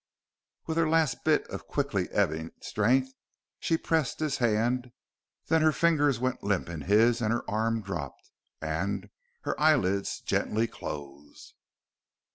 With her last bit of quickly ebbing strength, she pressed his hand. Then the fingers went limp in his, and her arm dropped. And her eyelids gently closed....